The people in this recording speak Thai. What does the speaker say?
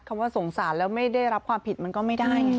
คำว่าสงสารแล้วไม่ได้รับความผิดมันก็ไม่ได้ไง